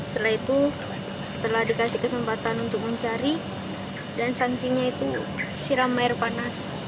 setelah itu setelah dikasih kesempatan untuk mencari dan sanksinya itu siram air panas